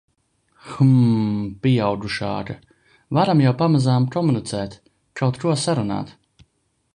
Hmm... pieaugušāka. Varam jau pamazām komunicēt, kaut ko sarunāt.